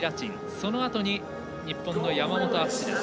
そのあとに日本の山本篤です。